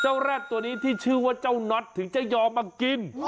แร็ดตัวนี้ที่ชื่อว่าเจ้าน็อตถึงจะยอมมากิน